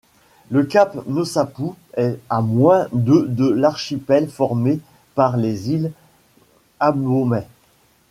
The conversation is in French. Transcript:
Le cap Nosappu est à moins de de l'archipel formé par les îles Habomai.